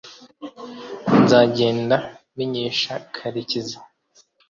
nzagenda menyesha karekezi